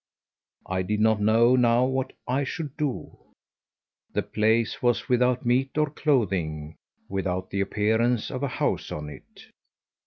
I did not know now what I should do. The place was without meat or clothing, without the appearance of a house on it.